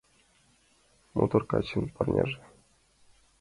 Мотор качын парняже;